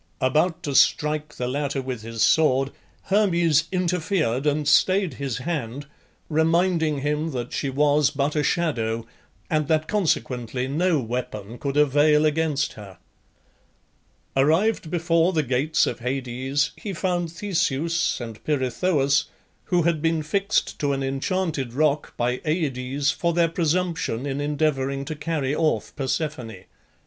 About to strike the latter with his sword, Hermes interfered and stayed his hand, reminding him that she was but a shadow, and that consequently no weapon could avail against her. Arrived before the gates of Hades he found Theseus and Pirithoeus, who had been fixed to an enchanted rock by Aides for their presumption in endeavouring to carry off Persephone.